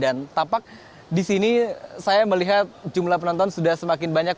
dan tampak disini saya melihat jumlah penonton sudah semakin banyak